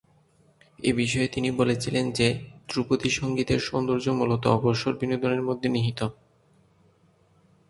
এ বিষয়ে তিনি বলেছিলেন যে, ধ্রুপদী সঙ্গীতের সৌন্দর্য্য মূলতঃ অবসর বিনোদনের মধ্যে নিহিত।